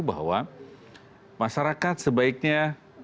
bahwa masyarakat sebaiknya